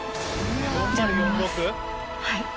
はい。